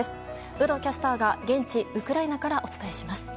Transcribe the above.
有働キャスターが現地ウクライナからお伝えします。